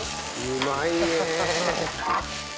うまいねえ！